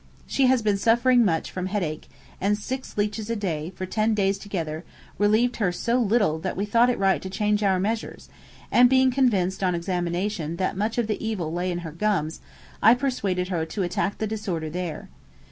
She has been suffering much from headache, and six leeches a day, for ten days together, relieved her so little that we thought it right to change our measures; and being convinced on examination that much of the evil lay in her gums, I persuaded her to attack the disorder there.